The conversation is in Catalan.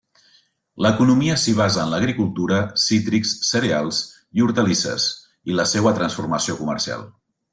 L'economia s'hi basa en l'agricultura, cítrics, cereals i hortalisses i la seua transformació comercial.